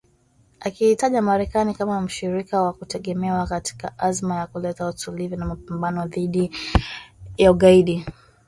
akiitaja Marekani kama mshirika wa kutegemewa katika azma ya kuleta utulivu na mapambano dhidi ya ugaidi.